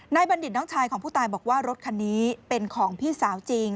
บัณฑิตน้องชายของผู้ตายบอกว่ารถคันนี้เป็นของพี่สาวจริง